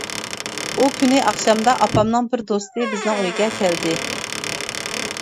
ئۇ كۈنى ئاخشامدا ئاپامنىڭ بىر دوستى بىزنىڭ ئۆيگە كەلدى.